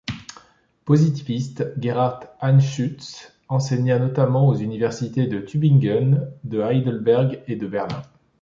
Positiviste, Gerhard Anschütz enseigna notamment aux universités de Tübingen, de Heidelberg et de Berlin.